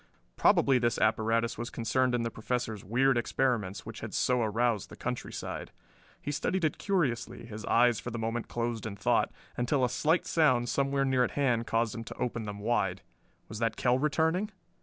Probably this apparatus was concerned in the Professor's weird experiments which had so aroused the countryside. He studied it curiously, his eyes for the moment closed in thought, until a slight sound somewhere near at hand caused him to open them wide. Was the Kell returning?